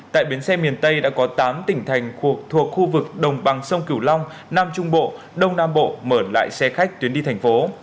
tại bến xe miền tây đã có tám tỉnh thành thuộc khu vực đồng bằng sông cửu long nam trung bộ đông nam bộ mở lại xe khách tuyến đi thành phố